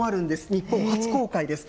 日本初公開です。